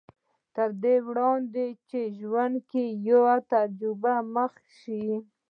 تر دې وړاندې چې په ژوند کې له يوې تجربې سره مخ شي.